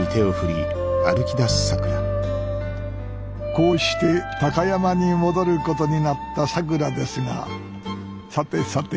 こうして高山に戻ることになったさくらですがさてさて